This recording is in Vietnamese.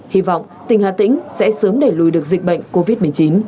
hy vọng tỉnh hà tĩnh sẽ sớm đẩy lùi được dịch bệnh covid một mươi chín